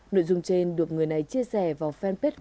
nội dung trên được người này chia sẻ vào fanpage